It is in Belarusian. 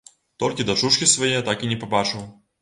Толькі дачушкі свае так і не пабачыў.